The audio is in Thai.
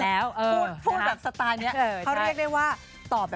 ๒แล้วนะ๒แล้วนะ